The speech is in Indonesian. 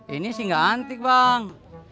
ini sih gak antik bang